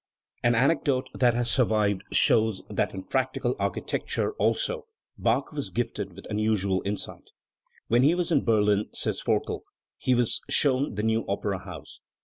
An anecdote that has survived shows that in practical architecture also Bach was gifted with unusual insight. "When he was in Berlin", says Forkel, "he was shown the new opera house.